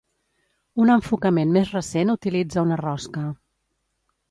Un enfocament més recent utilitza una rosca.